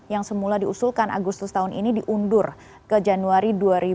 yang semula diusulkan agustus tahun ini diundur ke januari dua ribu dua puluh